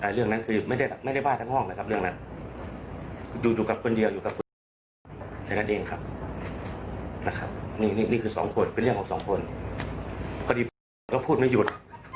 สิ่งบ้างก็คือจะตั้งใจเขินไปหรือบอกแล้วก็ยมหยุด